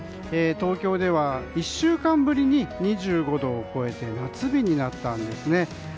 東京では１週間ぶりに２５度を超えて夏日になったんです。